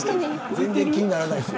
全然気にならないです。